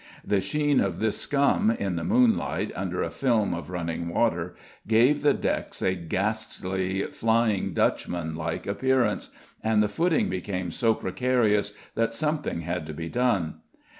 The sheen of this scum, in the moonlight, under a film of running water, gave the decks a ghastly "Flying Dutchman" like appearance, and the footing became so precarious that something had to be done.